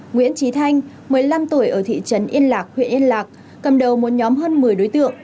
nguyễn trí thanh một mươi năm tuổi ở thị trấn yên lạc huyện yên lạc cầm đầu một nhóm hơn một mươi đối tượng